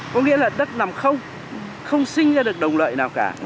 có nghĩa là đất nằm không không sinh ra được đồng lợi nào cả